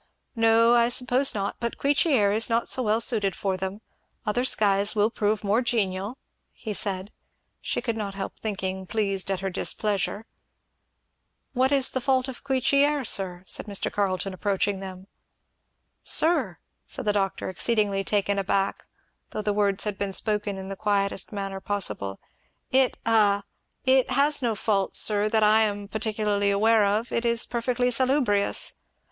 "No I suppose not but Queechy air is not so well suited for them other skies will prove more genial," he said; she could not help thinking, pleased at her displeasure. "What is the fault of Queechy air, sir?" said Mr. Carleton, approaching them. "Sir!" said the doctor, exceedingly taken aback, though the words had been spoken in the quietest manner possible, 'it a it has no fault, sir, that I am particularly aware of it is perfectly salubrious.